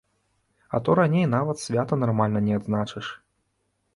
А то раней нават свята нармальна не адзначыш.